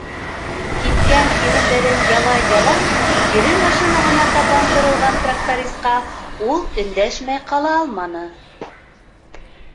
Кипкән ирендәрен ялай-ялай кире машинаһына табан боролған тракторисҡа ул өндәшмәй ҡала алманы.